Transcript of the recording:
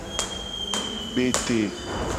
Gbete.